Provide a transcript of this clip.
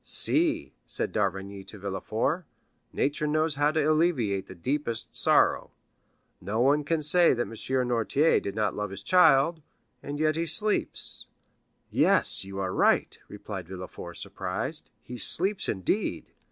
"See," said d'Avrigny to Villefort, "nature knows how to alleviate the deepest sorrow. No one can say that M. Noirtier did not love his child, and yet he sleeps." "Yes, you are right," replied Villefort, surprised; "he sleeps, indeed!